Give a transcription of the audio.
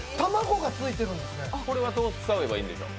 これはどう使えばいいんでしょう？